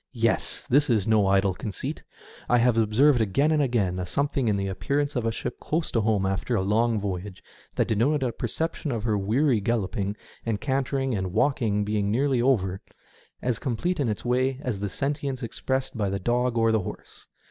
Yes ! this is no idle conceit. I have observed again and again a something in the appearance of a ship close to home after a long voyage that denoted a perception of her weary galloping and cantering and ^Talking being nearly over, as complete in its way as the sentience expressed by the dog or the horse.